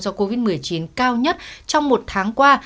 do covid một mươi chín cao nhất trong một tháng qua